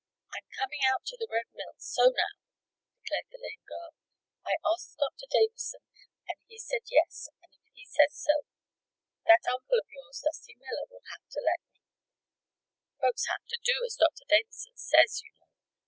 "I'm coming out to the Red Mill, so now!" declared the lame girl. "I asked Doctor Davison, and he says yes. And if he says so, that uncle of yours, Dusty Miller, will have to let me. Folks have to do as Doctor Davison says, you know.